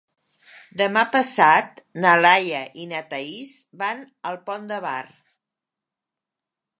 Demà passat na Laia i na Thaís van al Pont de Bar.